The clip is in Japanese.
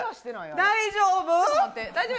大丈夫。